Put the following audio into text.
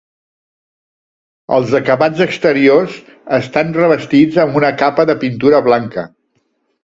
Els acabats exteriors estan revestits amb una capa de pintura blanca.